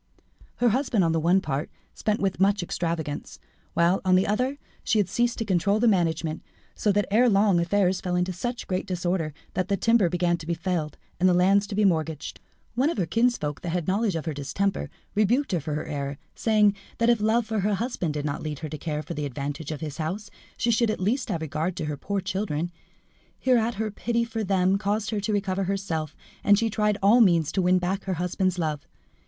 Her husband, on the one part, spent with much extravagance, while, on the other, she had ceased to control the management, so that ere long affairs fell into such great disorder, that the timber began to be felled, and the lands to be mortgaged. One of her kinsfolk that had knowledge of her distemper, rebuked her for her error, saying that if love for her husband did not lead her to care for the advantage of his house, she should at least have regard to her poor children. Hereat her pity for them caused her to recover herself, and she tried all means to win back her husband's love.